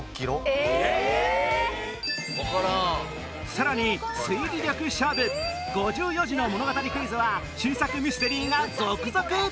さらに推理力勝負５４字の物語クイズは新作ミステリーが続々！